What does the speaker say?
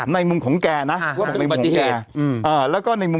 ในมุมของแกนะ